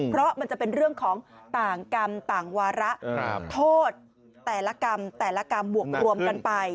เพราะมันจะเป็นเรื่องของต่างกรรมต่างวาระโทษแต่ละกรรมแต่ละกรรมบวกรวมกันไป